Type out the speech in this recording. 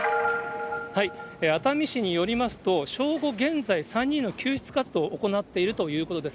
熱海市によりますと、正午現在、３人の救出活動を行っているということです。